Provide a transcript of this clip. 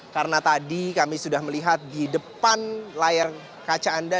karena tadi kami sudah melihat di depan layar kaca anda